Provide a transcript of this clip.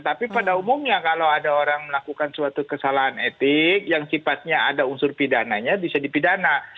tapi pada umumnya kalau ada orang melakukan suatu kesalahan etik yang sifatnya ada unsur pidananya bisa dipidana